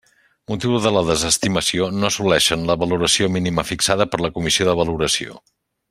Motiu de la desestimació: no assolixen la valoració mínima fixada per la comissió de valoració.